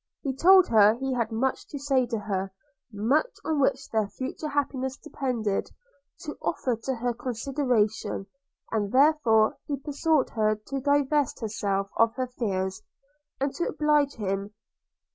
He told her he had much to say to her – much, on which their future happiness depended, to offer to her consideration; and therefore he besought her to divest herself of her fears, and to oblige him.